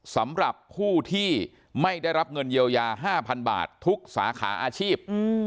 สำหรับผู้ที่ไม่ได้รับเงินเยียวยา๕๐๐๐บาททุกสาขาอาชีพ